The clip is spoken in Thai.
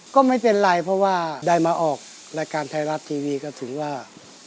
ก็ไม่เป็นไรเพราะว่าได้มาออกรายการไทยรัฐทีวีก็ถึงว่า